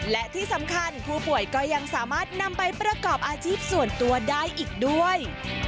และที่สำคัญผู้ป่วยก็ยังสามารถนำไปประกอบอาชีพส่วนตัวได้อีกด้วย